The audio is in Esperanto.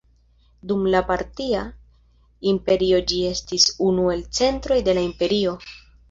Dum la Partia Imperio ĝi estis unu el centroj de la imperio.